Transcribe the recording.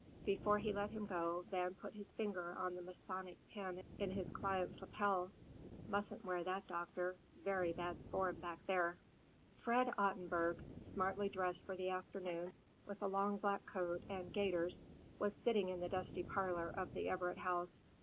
Before he let him go, Van put his finger on the Masonic pin in his client's lapel. "Mustn't wear that, doctor. Very bad form back there." II Fred Ottenburg, smartly dressed for the afternoon, with a long black coat and gaiters was sitting in the dusty parlor of the Everett House.